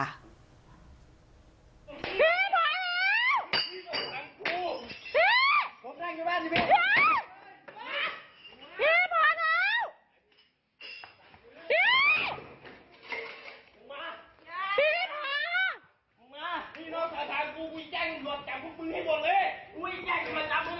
นี่ค่ะคุณผู้ชมเป็นคลิปที่ทางฝั่งผู้เสียหายเค้าโพสต์เอาไว้ในเฟซบุ๊กนะคะ